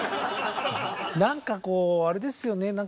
何かこうあれですよね